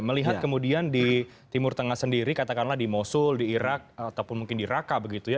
melihat kemudian di timur tengah sendiri katakanlah di mosul di irak ataupun mungkin di raka begitu ya